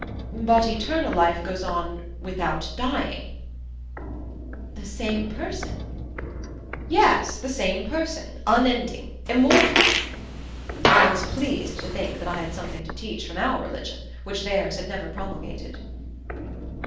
"But eternal life goes on without dying." "The same person?" "Yes, the same person, unending, immortal." I was pleased to think that I had something to teach from our religion, which theirs had never promulgated.